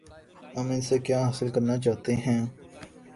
ہم ان سے کیا حاصل کرنا چاہتے ہیں؟